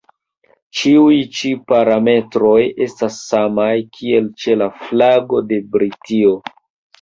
Ĉiuj ĉi parametroj estas samaj, kiel ĉe la flago de Britio.